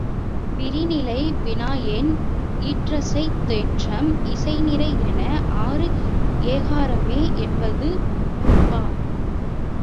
பிரிநிலை வினாஎண் ஈற்றசை தேற்றம் இசைநிறை என ஆறு ஏகாரம்மே என்பது நூற்பா.